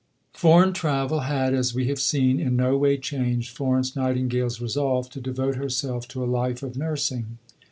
Foreign travel had, as we have seen, in no way changed Florence Nightingale's resolve to devote herself to a life of nursing.